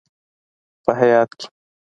په هیات کې: